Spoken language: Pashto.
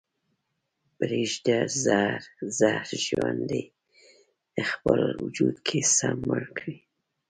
پرېږده زهر زهر ژوند دې خپل وجود کې سم مړ کړي